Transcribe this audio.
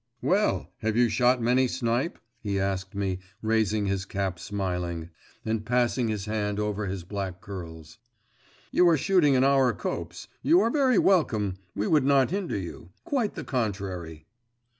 'Well, have you shot many snipe?' he asked me, raising his cap, smiling, and passing his hand over his black curls; 'you are shooting in our copse.… You are very welcome. We would not hinder you.… Quite the contrary.